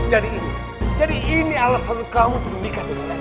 jadi ini jadi ini alasan kamu untuk menikah dengan raya